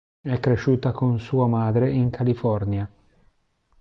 È cresciuta con sua madre in California.